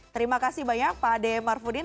terima kasih banyak pak ade marfudin